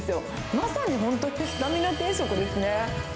まさに本当に、スタミナ定食です